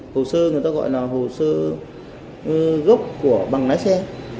hồ sơ người ta gọi là hồ sơ gốc của bằng lái xe